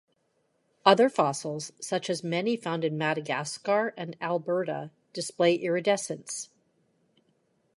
Other fossils, such as many found in Madagascar and Alberta, display iridescence.